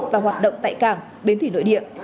và hoạt động tại cảng bến thủy nội địa